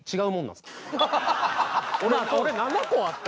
俺７個あった。